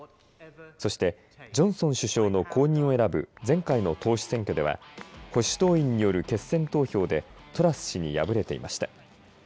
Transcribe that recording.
そして、ジョンソン首相の後任を選ぶ前回の党首選挙では、保守党員による決選投票でトラス氏に敗れていました。